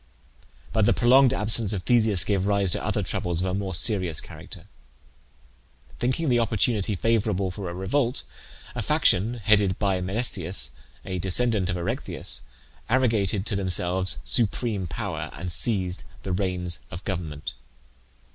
But the prolonged absence of Theseus gave rise to other troubles of a more serious character. Thinking the opportunity favourable for a revolt, a faction, headed by Menesthius, a descendant of Erechtheus, arrogated to themselves supreme power, and seized the reins of government.